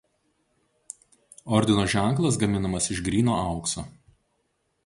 Ordino ženklas gaminamas iš gryno aukso.